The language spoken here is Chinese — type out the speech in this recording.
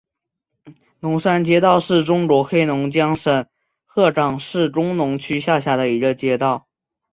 龙山街道是中国黑龙江省鹤岗市工农区下辖的一个街道。